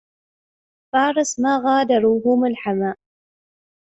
فارس ما غادروه ملحما